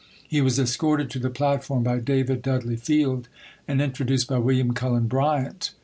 He was escorted to the platform by David Dudley Field and introduced by William Cullen Bryant.